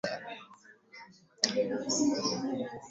pamoja na uchumi wake Kuwait kwa Kiarabu ni nchi ndogo ya Uarabuni